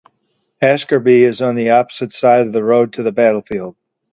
Asgarby is on the opposite side of the road to the battlefield.